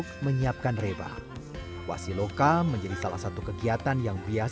yang paling dib jam kesulitanas dengan istilah direnyulai